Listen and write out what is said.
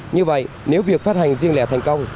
như vậy nếu việc phát hành riêng lẻ thành công